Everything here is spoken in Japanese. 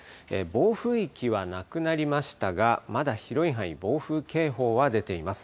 暴風域はなくなりましたがまだ広い範囲暴風警報が出ています。